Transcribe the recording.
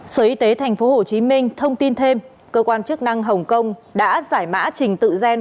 sở y tế tp hcm thông tin thêm cơ quan chức năng hồng kông đã giải mã trình tự gen